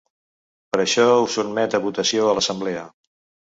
Per això ho sotmet a votació a l’assemblea.